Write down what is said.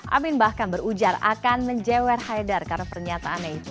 amin bahkan berujar akan menjewer haidar karena pernyataannya itu